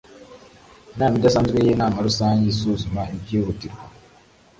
Inama idasanzwe y Inama Rusange isuzuma ibyihutirwa